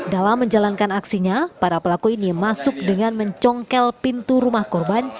dalam menjalankan aksinya para pelaku ini masuk dengan mencongkel pintu rumah korban